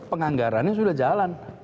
penganggarannya sudah jalan